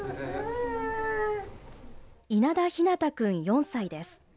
稲田優陽くん４歳です。